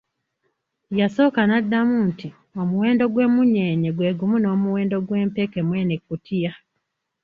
Yasooka naddamu nti, omuwendo gw'emunyeenye gwe gumu n'omuwendo gw'empeke mweno ekkutiya.